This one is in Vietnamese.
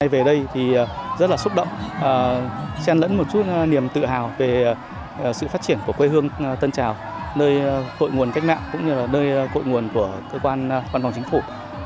về đây thì rất là xúc động chen lẫn một chút niềm tự hào về sự phát triển của quê hương tân trào nơi cội nguồn cách mạng cũng như là nơi cội nguồn của cơ quan văn phòng chính phủ